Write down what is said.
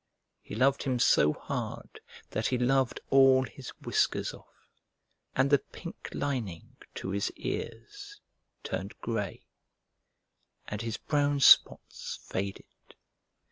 He loved him so hard that he loved all his whiskers off, and the pink lining to his ears turned grey, and his brown spots faded.